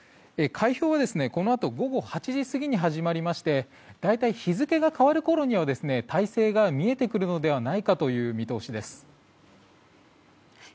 開票は、このあと午後８時過ぎに始まりまして大体日付が変わるころには大勢が見えてくるのではないかという見通しです。